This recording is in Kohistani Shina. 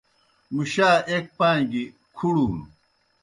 مُشا ایْک پاں گیْ کُھڑُن۔